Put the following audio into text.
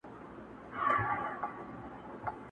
o کډي مي بارېږي، زوىمي را ملا که!